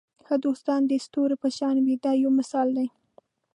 ښه دوستان د ستورو په شان وي دا یو مثال دی.